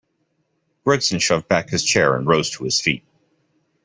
Gregson shoved back his chair and rose to his feet.